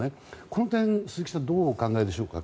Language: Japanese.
この点、鈴木さんどうお考えでしょうか。